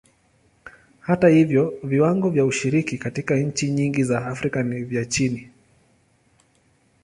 Hata hivyo, viwango vya ushiriki katika nchi nyingi za Afrika ni vya chini.